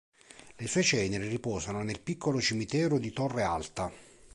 Le sue ceneri riposano nel piccolo cimitero di Torre Alta.